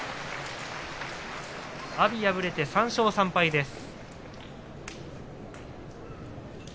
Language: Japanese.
阿炎、敗れて３勝３敗です。